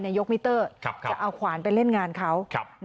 ยกมิเตอร์จะเอาขวานไปเล่นงานเขา